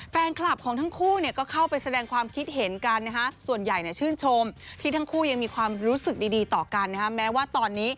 แฟนคลับของทั้งคู่เนี่ยก็เข้าไปแสดงความคิดเห็นกันส่วนใหญ่ชื่นโชมที่ทั้งคู่ยังมีความรู้สึกดีต่อกัน